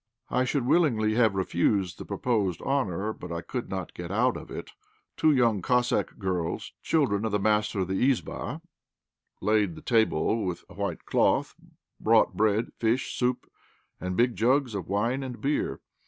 I should willingly have refused the proposed honour, but I could not get out of it. Two young Cossack girls, children of the master of the "izbá," laid the table with a white cloth, brought bread, fish, soup, and big jugs of wine and beer.